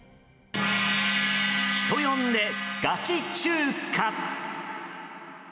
人呼んで、ガチ中華。